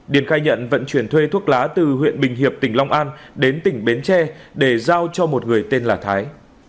điền khai nhận vận chuyển thuê thuốc lá từ huyện bình hiệp tỉnh long an đến tỉnh bến tre để giao cho một người tên là thái